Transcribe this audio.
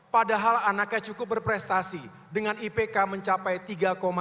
padahal anaknya cukup berprestasi dengan ipk mencapai tiga sembilan puluh empat